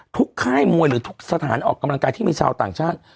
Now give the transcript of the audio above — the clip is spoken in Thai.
ค่ายมวยหรือทุกสถานออกกำลังกายที่มีชาวต่างชาติ